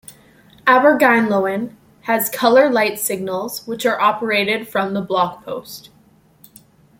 Abergynolwyn has colour light signals, which are operated from the blockpost.